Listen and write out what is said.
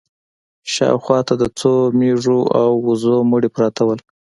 شا و خوا ته د څو مېږو او وزو مړي پراته وو.